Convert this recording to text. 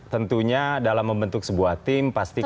tentunya dalam membentuk sebuah tim pastikan